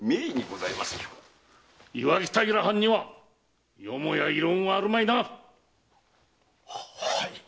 磐城平藩にはよもや異論はあるまいな？ははい。